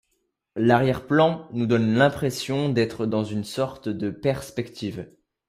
L'arrière-plan nous donne l'impression d'être dans une sorte de perspective.